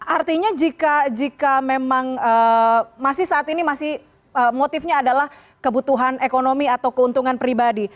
artinya jika memang masih saat ini masih motifnya adalah kebutuhan ekonomi atau keuntungan pribadi